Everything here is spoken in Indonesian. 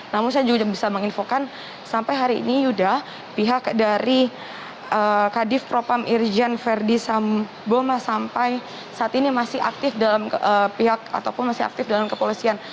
namun saya juga bisa menginfokan sampai hari ini yuda pihak dari kadif propam irjen verdi sambo sampai saat ini masih aktif dalam pihak ataupun masih aktif dalam kepolisian